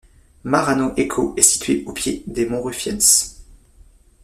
Marano Equo est situé au pied des Monts Ruffiens.